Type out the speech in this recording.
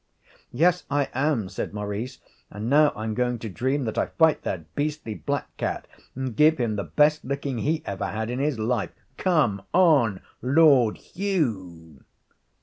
'Yes, I am,' said Maurice; 'and now I'm going to dream that I fight that beastly black cat, and give him the best licking he ever had in his life. Come on, Lord Hugh.'